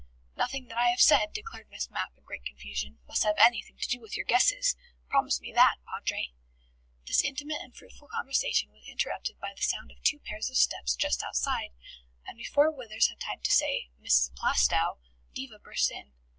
"Nothing that I have said," declared Miss Mapp in great confusion, "must have anything to do with your guesses. Promise me that, Padre." This intimate and fruitful conversation was interrupted by the sound of two pairs of steps just outside, and before Withers had had time to say "Mrs. Plaistow," Diva burst in.